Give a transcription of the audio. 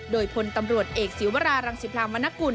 โดยพลตำรวจเอกศีวรารังสิพรามนกุล